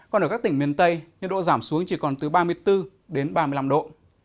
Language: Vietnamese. còn ở các tỉnh miền tây nhiệt độ giảm xuống chỉ còn từ ba mươi bốn đến ba mươi năm độ